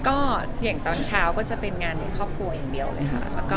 ก็อย่างตอนเช้าก็จะเป็นงานในครอบครัวอย่างเดียวเลยค่ะ